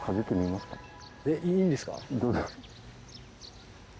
いいんですか？